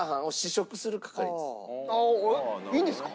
いいんですか？